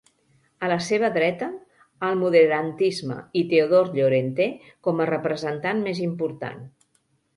A la seva dreta, el moderantisme, i Teodor Llorente com a representant més important.